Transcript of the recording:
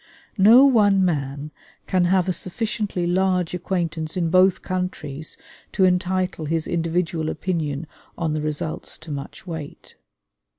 No one man can have a sufficiently large acquaintance in both countries to entitle his individual opinion on the results to much weight.